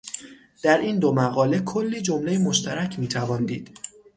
در این دو مقاله، کلی جملهٔ مشترک میتوان دید